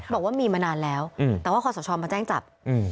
บอกว่ามีมานานแล้วแต่ว่าคอสชมาแจ้งจับ